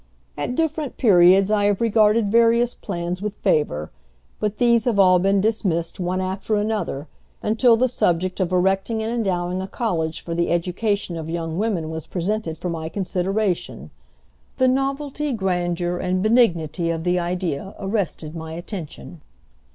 At different periods I have regarded various plans with favor; but these have all been dismissed one after another, until the subject of erecting and endowing a college for the education of young women was presented for my consideration. The novelty, grandeur, and benignity of the idea arrested my attention.